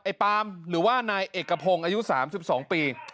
ไอ้ปามหรือว่านายเอกกระพงอายุ๓๒ปี